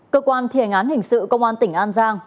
cơ quan thi hành án hình sự công an tỉnh an giang